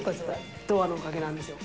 ドアのおかげなんですよ。